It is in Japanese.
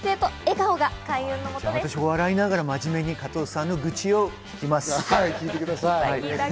笑いながら真面目に加藤さんのグチを聞きます。